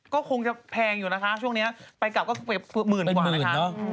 ก็เป็นหมื่นกว่านะครับอืมเป็นหมื่นเนอะ